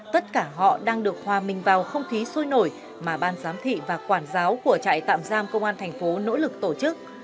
tất cả họ đang được hòa mình vào không khí sôi nổi mà ban giám thị và quản giáo của trại tạm giam công an thành phố nỗ lực tổ chức